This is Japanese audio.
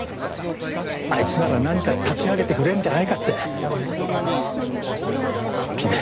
あいつなら何か立ち上げてくれるんじゃないかって本気で。